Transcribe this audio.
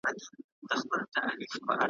د هیلیو له کشپ سره دوستي سوه `